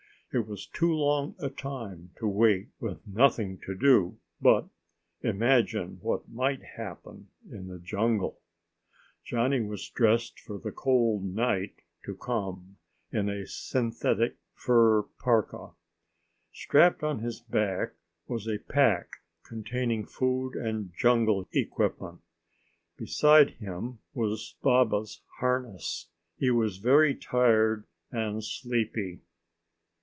It was too long a time to wait with nothing to do but imagine what might happen in the jungle. Johnny was dressed for the cold night to come in a synthetic fur parka. Strapped on his back was a pack containing food and jungle equipment. Beside him was Baba's harness. He was very tired and sleepy.